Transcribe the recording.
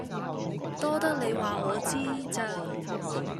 多得你話我知咋